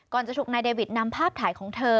จะถูกนายเดวิดนำภาพถ่ายของเธอ